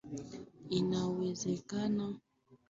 inawezesha ubadilishanaji na makubaliano ya kifedha na dhamana